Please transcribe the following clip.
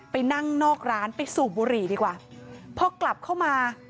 ไปนั่งนอกร้านไปสูบบุหรี่ดีกว่าพอกลับเข้ามา